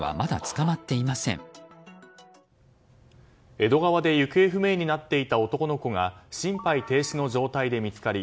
江戸川で行方不明になっていた男の子が心肺停止の状態で見つかり